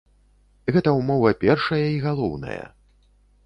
Гэта ўмова першая і галоўная.